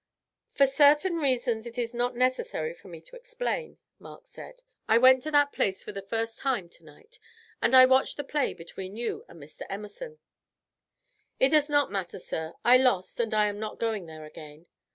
"For certain reasons it is not necessary for me to explain," Mark said, "I went to that place for the first time tonight, and I watched the play between you and Mr. Emerson." "It does not matter, sir; I lost, and I am not going there again."